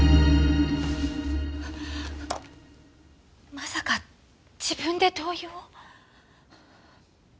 まさか自分で灯油を？